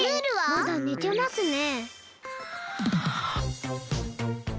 まだねてますね。